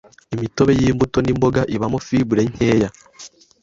imitobe y’imbuto n’imboga ibamo fibre nkeya